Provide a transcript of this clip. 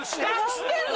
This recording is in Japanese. してんの！